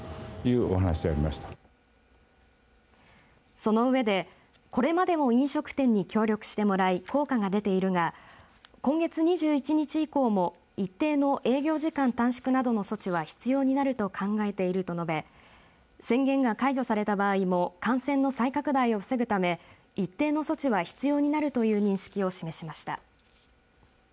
その上で、これまでも飲食店に協力してもらい効果が出ているが今月２１日以降も一定の営業時間短縮などの措置は必要になると考えていると述べ宣言が解除された場合も感染の再拡大を防ぐため一定の措置は必要になるという認識を示しました。